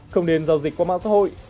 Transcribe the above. không nên giao dịch qua mạng xã hội